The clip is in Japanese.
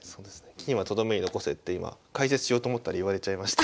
金はとどめに残せって今解説しようと思ったら言われちゃいました。